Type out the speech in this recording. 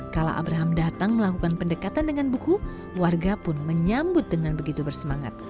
kala abraham datang melakukan pendekatan dengan buku warga pun menyambut dengan begitu bersemangat